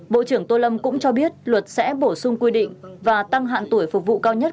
bộ trưởng tô lâm cũng cho biết luật sẽ bổ sung quy định và tăng hạn tuổi phục vụ cao nhất